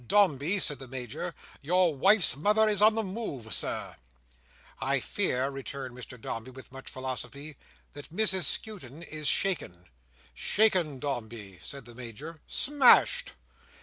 Dombey," said the Major, "your wife's mother is on the move, Sir." "I fear," returned Mr Dombey, with much philosophy, "that Mrs Skewton is shaken." "Shaken, Dombey!" said the Major. "Smashed!"